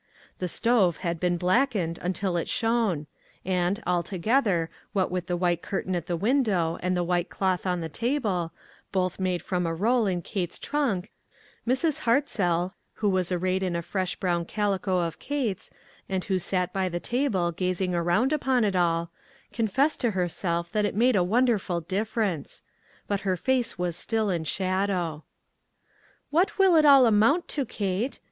The stove had been 204 ONE COMMONPLACE DAY. blackened until it shone, and, altogether, what with the white curtain at the window and the white cloth on the table, both made from a roll in Kate's trunk, Mrs. Hartzell, who was arrayed in a fresh brown calico of Kate's, and who sat by the table gazing around upon it all, 'confessed to herself that it made a wonderful difference. But her face was still in shadow. "What will it all amount to, Kate?